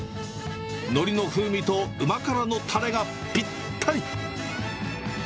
ノリの風味とうま辛のたれがぴったり。